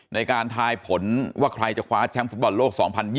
ในการทายผลว่าใครจะคว้าแชมป์ฟุตบอลโลก๒๐๒๐